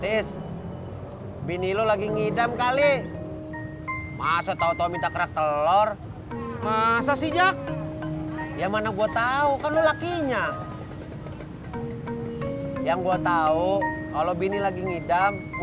hai bini lo lagi ngidam kali masa tau tau minta kerak telur masa sijak yang mana gua tahu kalau lakinya yang gua tahu kalau bini lagi ngidam musik sampai dapet